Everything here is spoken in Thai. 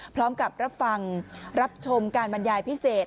พร้อมกับรับฟังรับชมการบรรยายพิเศษ